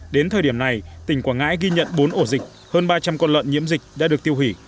đến thời điểm này tỉnh quảng ngãi ghi nhận bốn ổ dịch hơn ba trăm linh con lợn nhiễm dịch đã được tiêu hủy